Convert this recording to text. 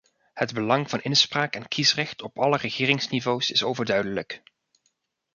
Het belang van inspraak en kiesrecht op alle regeringsniveaus is overduidelijk.